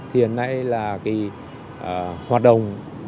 hiện nay là hoạt động